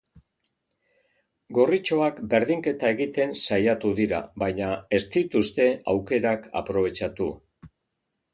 Gorritxoak berdinketa egiten saiatu dira, baina ez dituzte aukerak aprobetxatu.